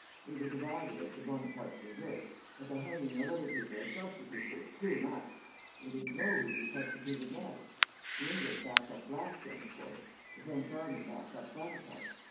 We were divided as to Bonaparte's deserts, but the hanging of other people as substitutes was too much. We didn't know who'd be substituted next. The English backed up Blackstone, of course. The French army backed up Bonaparte.